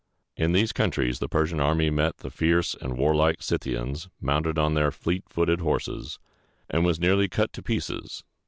In these countries the Persian army met the fierce and warlike Scyth´i ans mounted on their fleet footed horses, and was nearly cut to pieces.